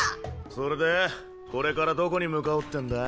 それでこれからどこに向かおうってんだ？